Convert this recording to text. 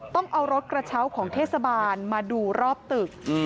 ต้องเอารถกระเช้าของเทศบาลมาดูรอบตึก